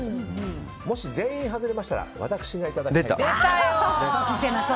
もし全員外れましたら私がいただきます。